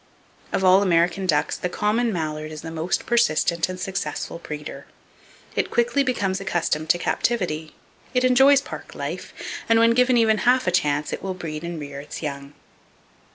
Of all American ducks the common mallard is the most persistent and successful breeder. It quickly becomes accustomed to captivity, it enjoys park life, and when given even half a chance it will breed and rear its young.